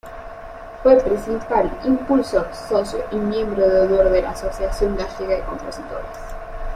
Fue principal impulsor, socio y miembro de honor de la Asociación Gallega de Compositores.